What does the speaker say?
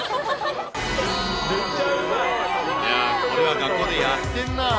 これは学校でやってんな。